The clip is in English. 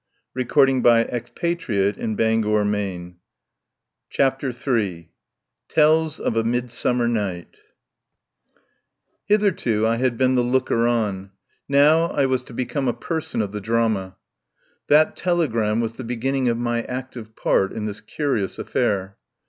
SO CHAPTER in TELLS OF A MIDSUMMER NIGHT CHAPTER III TELLS OF A MIDSUMMER NIGHT HITHERTO I had been the looker on; now I was to become a person of the drama. That telegram was the beginning of my active part in this curious affair.